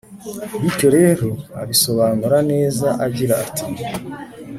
bityo rero abisobanura neza agira ati